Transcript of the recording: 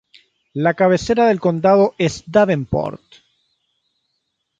La cabecera del condado es Davenport.